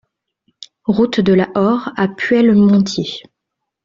Route de la Horre à Puellemontier